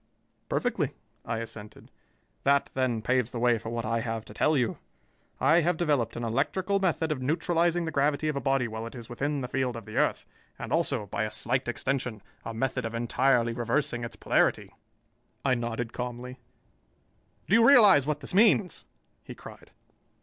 "Perfectly," I assented. "That, then, paves the way for what I have to tell you. I have developed an electrical method of neutralizing the gravity of a body while it is within the field of the earth, and also, by a slight extension, a method of entirely reversing its polarity." I nodded calmly. "Do you realize what this means?" he cried.